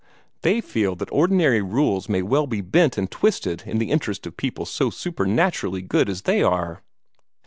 They feel that ordinary rules may well be bent and twisted in the interest of people so supernaturally good as they are.